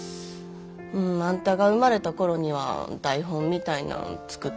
あんたが生まれた頃には台本みたいなん作っとったけどな。